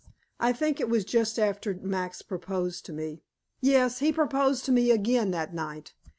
I think it was just after Max proposed to me. Yes, he proposed to me again that night.